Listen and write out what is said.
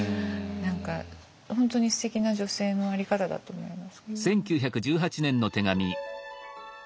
何か本当にすてきな女性の在り方だと思いますけど。